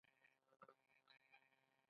د نړۍ ډیری زعفران له ایران راځي.